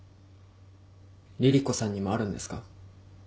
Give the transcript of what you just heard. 凛々子さんにもあるんですか？